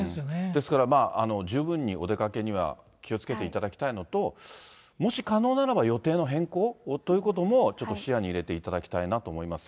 ですから十分にお出かけには気をつけていただきたいのと、もし可能ならば予定の変更ということも、ちょっと視野に入れていただきたいなと思います。